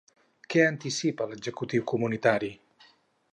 Què anticipa l'executiu comunitari?